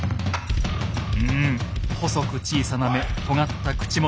うん細く小さな目とがった口元。